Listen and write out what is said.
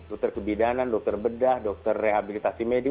dokter kebidanan dokter bedah dokter rehabilitasi medis